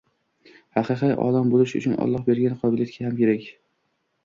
Haqiqiy olim bo‘lish uchun Alloh bergan qobiliyat ham kerak.